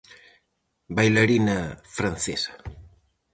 Bailarina francesa.